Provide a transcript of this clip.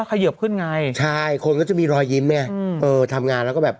เขยิบขึ้นไงใช่คนก็จะมีรอยยิ้มไงอืมเออทำงานแล้วก็แบบ